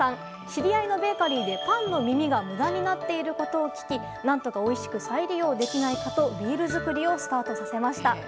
知り合いのベーカリーでパンの耳が無駄になっていることを聞き何とかおいしく再利用できないかとビール造りをスタートさせました。